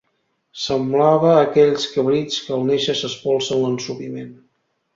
Semblava aquells cabrits que al néixer s'espolsen l'ensopiment